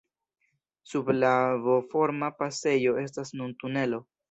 Sub la V-forma pasejo estas nun tunelo.